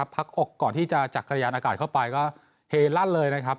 พักอกก่อนที่จะจักรยานอากาศเข้าไปก็เฮลั่นเลยนะครับ